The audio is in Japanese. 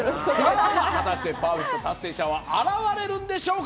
果たしてパーフェクト達成者は現れるんでしょうか？